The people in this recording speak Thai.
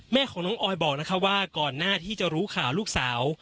แม่ของน้องออยบอกนะคะว่าก่อนหน้าที่จะรู้ข่าวลูกสาว